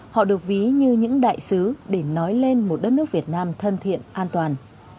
họ được ví như những đại sứ để nói lên một đất nước việt nam thân thiện an toàn